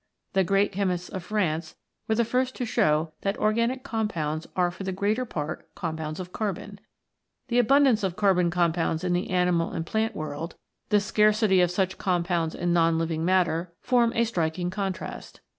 The great Chemists of France were the first to show that organic com pounds are for the greater part compounds of carbon. The abundance of carbon compounds in the animal and plant world, the scarcity of such 7 CHEMICAL PHENOMENA IN LIFE compounds in non living matter, form a striking contrast.